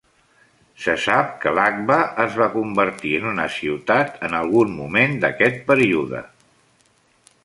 Se sap que Lakhva es va convertir en una ciutat en algun moment d'aquest període.